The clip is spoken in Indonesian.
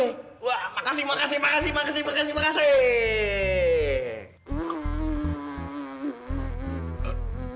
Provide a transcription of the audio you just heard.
wah makasih makasih makasih makasih makasih makasih